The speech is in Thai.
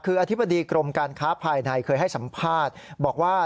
คืออธิบดีกรมการค้าภายในเคยให้สัมภาษณ์บอกว่า